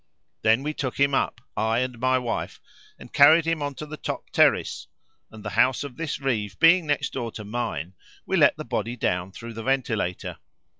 Then we took him up, I and my wife, and carried him on to the top terrace; and, the house of this Reeve being next door to mine, we let the body down through the ventilator.